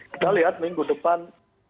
kita lihat minggu depan